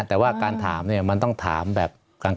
แต่ว่าการถามเนี่ยมันต้องถามแบบกลาง